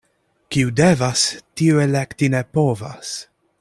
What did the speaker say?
Kiu devas, tiu elekti ne povas.